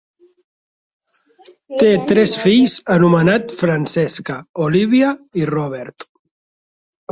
Té tres fills anomenats Francessca, Olivia i Robert.